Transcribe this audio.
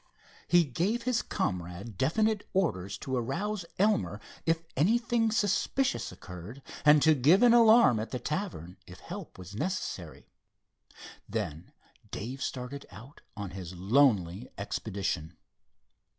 He gave his comrade definite orders to arouse Elmer if anything suspicious occurred, and to give an alarm at the tavern if help was necessary. Then Dave started out on his lonely expedition.